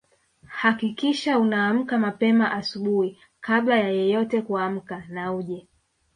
Hakikisha unaamka mapema asubuhi kabla ya yeyote kuamka na uje